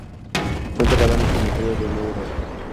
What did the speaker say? Fue enterrada en el Cementerio de Meudon.